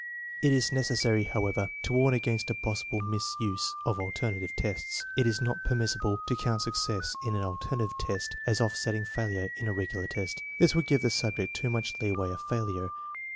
It is necessary, however, to warn against a possible misuse of alternative tests. It is not permissible to count success in an alternative test as offsetting failure in a regular test. This would give the subject too much leeway of failure.